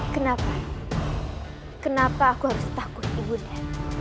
kenapa kenapa aku harus takut ibu nda